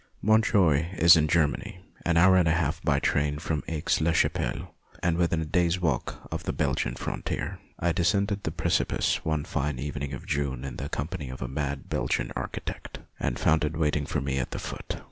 Montjoie is in Germany, an hour and a half by train from Aix la Chapelle and within a day's walk of the Belgian frontier. I descended a precipice one fine evening of June in the company of a mad Belgian architect, and found it waiting for me at the foot.